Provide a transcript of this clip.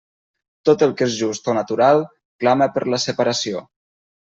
Tot el que és just o natural clama per la separació.